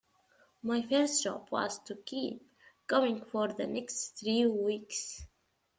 My first job was to keep going for the next three weeks.